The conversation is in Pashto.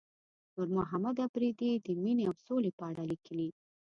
نورمحمد اپريدي د مينې او سولې په اړه ليکلي.